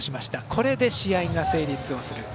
これで試合が成立をする。